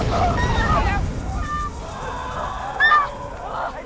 เร็วดีมากเขามาแล้ว